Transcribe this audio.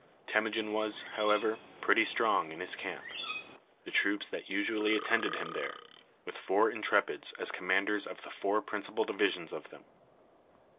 Temujin was, however, pretty strong in his camp. The troops that usually attended him were there, with the four intrepids as commanders of the four principal divisions of them.